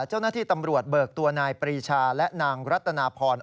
เจ้าหน้าที่ตำรวจเบิกตัวนายปรีชาและนางรัตนาพร